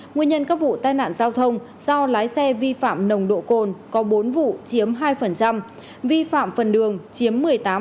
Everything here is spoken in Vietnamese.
nguyên nhân các vụ tai nạn giao thông do lái xe vi phạm nồng độ cồn có bốn vụ chiếm hai vi phạm phần đường chiếm một mươi tám